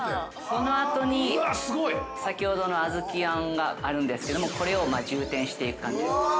◆そのあとに先ほどの小豆あんがあるんですけども、これを充填していく感じですね。